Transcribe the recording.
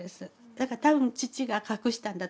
だから多分父が隠したんだと思います。